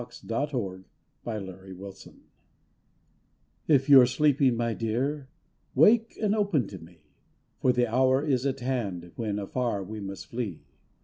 THE SPANISH SAILOR'S SONG If you're sleeping, my dear, Wake and open to me! For the hour is at hand When afar we must flee.